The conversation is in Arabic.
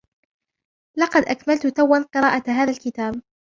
لقد اكملت توا قراءة هذا الكتاب.